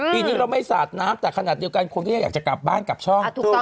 ปีนี้เราไม่สาดน้ำแต่ขนาดเดียวกันคนก็ยังอยากจะกลับบ้านกลับช่อง